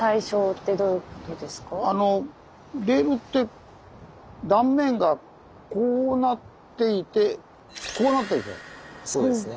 レールって断面がこうなっていてこうなってるでしょ。